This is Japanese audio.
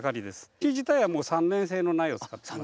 木自体は３年生の苗を使ってます。